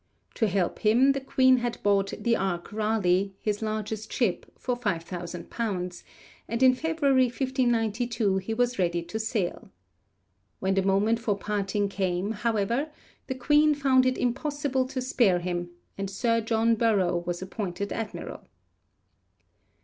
To help him, the Queen had bought The Ark Raleigh, his largest ship, for 5,000_l._; and in February 1592 he was ready to sail. When the moment for parting came, however, the Queen found it impossible to spare him, and Sir John Burrough was appointed admiral.